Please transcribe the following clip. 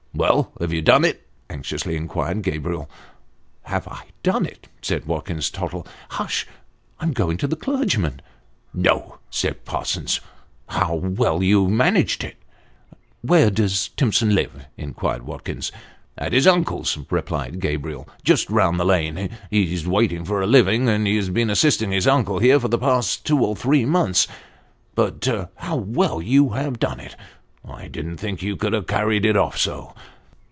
" Well, have you done it ?" anxiously inquired Gabriel. " Have I done it !" said Watkins Tottle. " Hush I'm going to the clergyman." " No !" said Parsons. " How well you have managed it !"''' Where does Timson live ?" inquired Watkins. " At his uncle's," replied Gabriel, "just round the lane. He's wait ing for a living, and has been assisting his uncle here for the last two or three months. But how well you have done it I didn't think you could have carried it off so